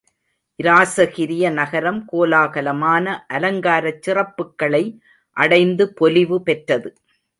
இராசகிரிய நகரம் கோலாகலமான அலங்காரச் சிறப்புக்களை அடைந்து பொலிவு பெற்றது.